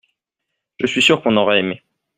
Je suis sûr qu’on aurait aimé.